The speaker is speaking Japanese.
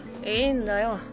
いいんだよ。